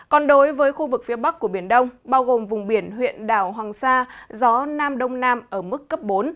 còn đối với khu vực phía bắc của biển đông bao gồm vùng biển huyện đảo hoàng sa gió nam đông nam ở mức cấp bốn